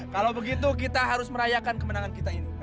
kalau begitu kita harus merayakan kemenangan kita ini